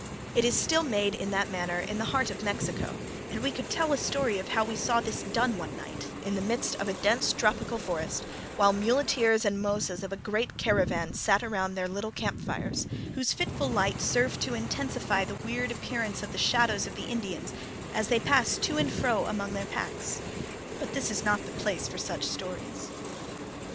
It is still made in that manner in the heart of Mexico, and we could tell a story of how we saw this done one night in the midst of a dense tropical forest, while muleteers and mozas of a great caravan sat around their little campfires, whose fitful light served to intensify the weird appearance of the shadows of the Indians as they passed to and fro among their packs, but this is not the place for such stories.